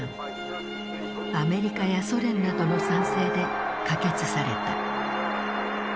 アメリカやソ連などの賛成で可決された。